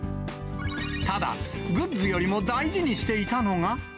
ただ、グッズよりも大事にしていたのが。